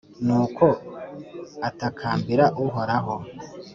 nuko atakambira uhoraho,